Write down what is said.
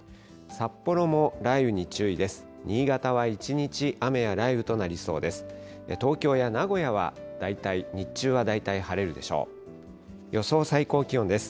札幌も雷雨に注意です。